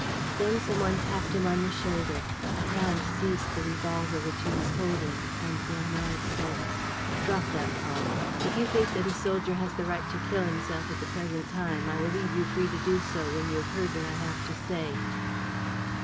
Then some one tapped him on the shoulder. A hand seized the revolver which he was holding; and Bernard said: "Drop that, Paul. If you think that a soldier has the right to kill himself at the present time, I will leave you free to do so when you have heard what I have to say."